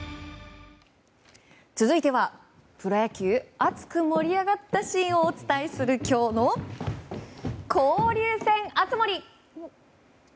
続いては、プロ野球熱く盛り上がったシーンをお伝えするきょうの交流戦熱盛！